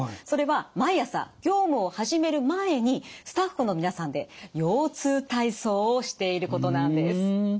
それは毎朝業務を始める前にスタッフの皆さんで腰痛体操をしていることなんです。